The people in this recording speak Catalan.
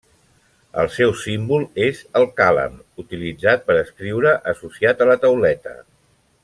El seu símbol és el càlam, utilitzat per escriure, associat a la tauleta.